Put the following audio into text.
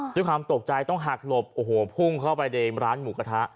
ด้วยความตกใจต้องหักหลบโอ้โหพุ่งเข้าไปในร้านหมูกระทะ